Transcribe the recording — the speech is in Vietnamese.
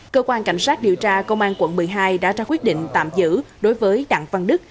cơ quan cảnh sát điều tra công an quận một mươi hai đã ra quyết định tạm giữ đối với đặng văn đức